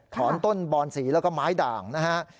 ถอนต้นบอนสีแล้วก็ไม้ด่างนะฮะ